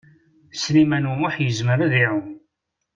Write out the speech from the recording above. Sliman U Muḥ yezmer ad iɛum.